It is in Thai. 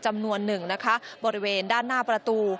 จำนวนหนึ่งนะคะบริเวณด้านหน้าประตู